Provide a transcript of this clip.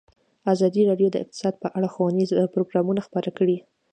ازادي راډیو د اقتصاد په اړه ښوونیز پروګرامونه خپاره کړي.